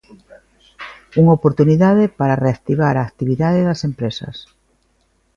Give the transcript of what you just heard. Unha oportunidade para reactivar a actividade das empresas.